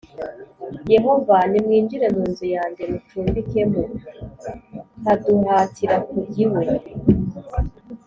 Yehova nimwinjire mu nzu yanjye mucumbikemo k Aduhatira kujya iwe